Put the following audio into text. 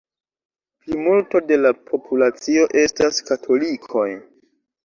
Plimulto de la populacio estas katolikoj.